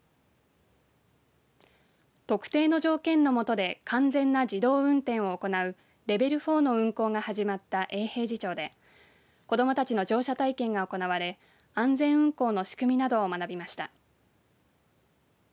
特定の条件の下で完全な自動運転を行うレベル４の運行が始まった永平寺町で子どもたちの乗車体験が行われ安全運行の仕組みなどを学びました。